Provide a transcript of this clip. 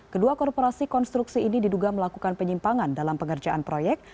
kedua korporasi konstruksi ini diduga melakukan penyimpangan dalam pengerjaan proyek